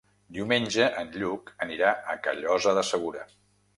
Diumenge en Lluc anirà a Callosa de Segura.